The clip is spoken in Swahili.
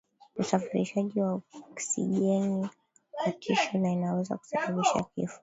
usafirishaji wa oksijeni kwa tishu na inaweza kusababisha kifo